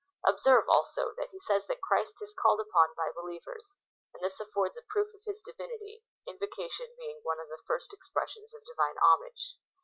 Observe, also, that he says that Christ is called upon by believers, and this affords a proof of his divinity — invocation being one of the first ex pressions of Divine homage.